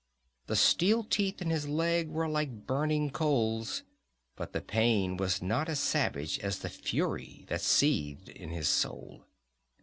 The steel teeth in his leg were like burning coals, but the pain was not as savage as the fury that seethed in his soul.